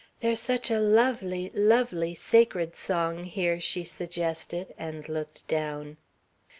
"There's such a lovely, lovely sacred song here," she suggested, and looked down.